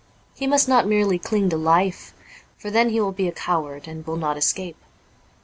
He must not merely cling to life, for then he will be a coward, and will not escape.